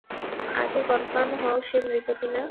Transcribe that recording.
আগে কনফার্ম হও সে মৃত কিনা।